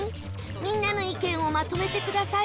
みんなの意見をまとめてください